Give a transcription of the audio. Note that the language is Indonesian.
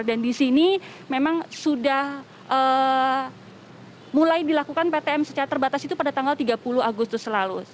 dan di sini memang sudah mulai dilakukan ptm secara terbatas itu pada tanggal tiga puluh agustus lalu